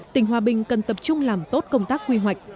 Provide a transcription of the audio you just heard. tỉnh hòa bình cần tập trung làm tốt công tác quy hoạch